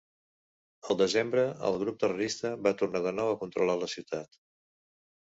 El desembre, el grup terrorista va tornar de nou a controlar la ciutat.